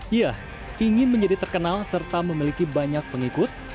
ya ingin menjadi terkenal serta memiliki banyak pengikut